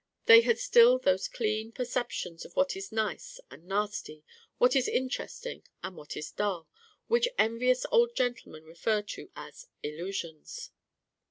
They had still those clean perceptions of what is nice and nasty, what is interesting and what is dull, which envious old gentlemen refer to as illusions.